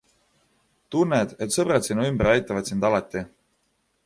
Tunned, et sõbrad sinu ümber aitavad sind alati.